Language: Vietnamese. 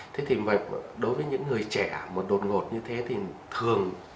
thế thì đối với những người trẻ mà đột ngột như thế thì thường